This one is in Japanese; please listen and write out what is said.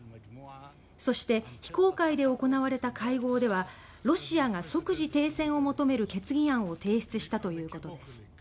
そして非公開で行われた会合ではロシアが即時停戦を求める決議案を提出したということです。